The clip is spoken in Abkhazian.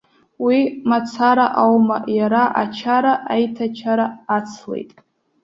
Уи мацара аума, иара ачара, аиҭачара ацлеит.